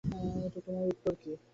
তো তোমার উত্তর কী?